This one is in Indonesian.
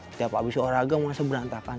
setiap abis olahraga masih berantakan